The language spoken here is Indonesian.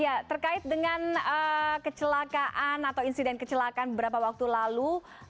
ya terkait dengan kecelakaan atau insiden kecelakaan beberapa waktu lalu